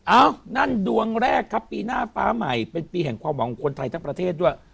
นั่นดวงแรกครับปีหน้าฟ้าใหม่เป็นปีแห่งความหวังของคนไทยทั้งประเทศด้วย